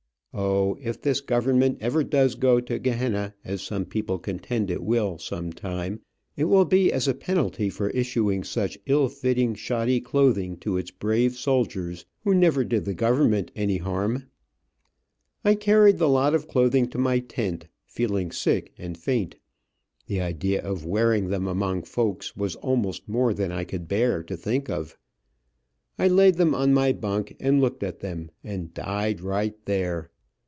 O, if this government ever does go to Gehenna, as some people contend it will, sometime, it will be as a penalty for issuing such ill fitting shoddy clothing to its brave soldiers, who never did the government any harm. I carried the lot of clothing to my tent, feeling sick and faint. The idea of wearing them among folks was almost more than I could bear to think of. I laid them on my bunk, and looked at them, and "died right there."